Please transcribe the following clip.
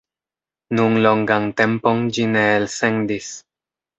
Nun longan tempon ĝi ne elsendis.